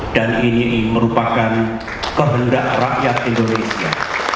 dan ini merupakan kehendak rakyat indonesia